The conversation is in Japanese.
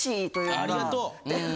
ありがとう。